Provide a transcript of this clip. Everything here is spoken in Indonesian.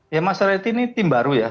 ya maserati ini tim baru ya